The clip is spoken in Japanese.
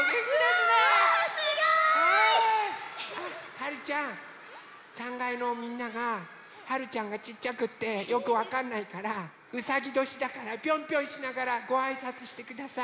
はるちゃん３かいのみんながはるちゃんがちっちゃくってよくわかんないからうさぎどしだからピョンピョンしながらごあいさつしてください。